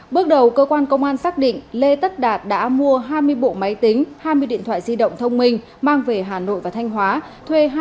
bước đầu cơ quan công an xác định lê tất đạt đã mua hai mươi bộ máy tính hai mươi điện thoại di động thông minh mang về hà nội và thanh hóa